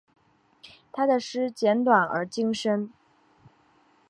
他的诗简短而精深。